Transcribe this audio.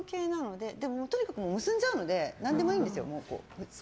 でも結んじゃうので何でもいいんですよ。